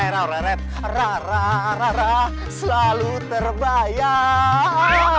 ra ra ra ra selalu terbayang